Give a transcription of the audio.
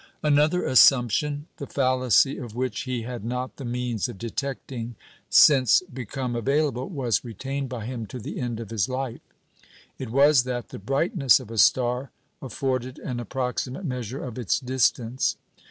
" Another assumption, the fallacy of which he had not the means of detecting since become available, was retained by him to the end of his life. It was that the brightness of a star afforded an approximate measure of its distance.